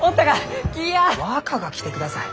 若が来てください。